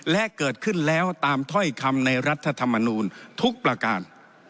และเกิดขึ้นแล้วตามถ้อยคำในรัฐธรรมนูลทุกประการ